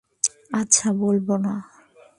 আচ্ছা, বলবো না।